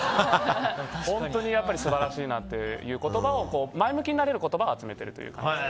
本当に素晴らしいなっていう言葉を前向きになれる言葉を集めてるということです。